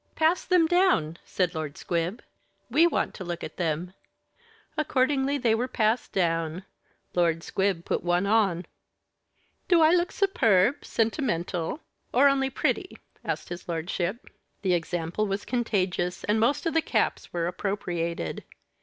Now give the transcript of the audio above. "Pass them down," said Lord Squib, "we want to look at them." Accordingly they were passed down. Lord Squib put one on. "Do I look superb, sentimental, or only pretty?" asked his lordship. The example was contagious, and most of the caps were appropriated.